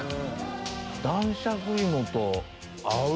男爵いもと合う！